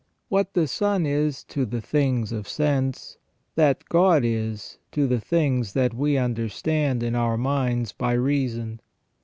What the sun is to the things of sense, that God is to the things that we understand in our minds by reason.